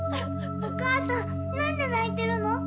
お母さんなんで泣いてるの？